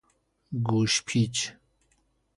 گوش پیچ